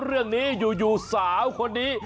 เรื่องนี้อยู่สาวคนนี้